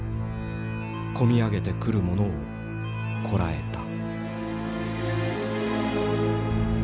込み上げてくるものをこらえた。